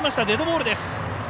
デッドボールです。